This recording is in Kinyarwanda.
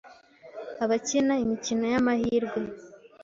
Abakina imikino y’amahirwe